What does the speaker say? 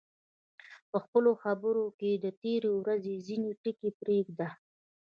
په خپلو خبرو کې د تېرې ورځې ځینې ټکي پرېږده.